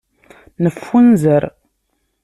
Neffunzer.